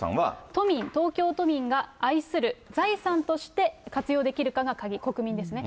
都民、東京都民が愛する財産として活用できるかが鍵、国民ですね。